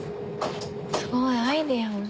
すごいアイデアも。